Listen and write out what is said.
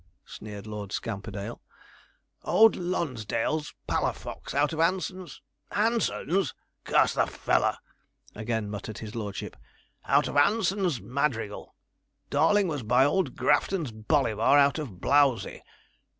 sneered Lord Scamperdale '"Old Lonsdale's Palafox, out of Anson's " Anson's! curse the fellow,' again muttered his lordship '"out of Anson's Madrigal. Darling was by old Grafton's Bolivar, out of Blowzy.